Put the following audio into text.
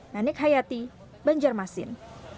nanek hayati banjarmasin